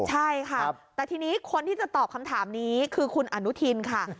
ใช่ค่ะแต่ทีนี้คนที่จะตอบคำถามนี้คือคุณอนุทินค่ะ